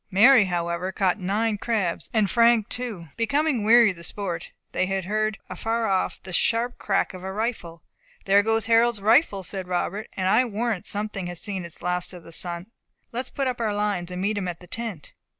Mary, however, caught nine crabs, and Frank two. Becoming weary of the sport, they heard afar off the sharp crack of a rifle. "There goes Harold's rifle!" said Robert; "and I warrant something has seen its last of the sun. Let us put up our lines, and meet him at the tent."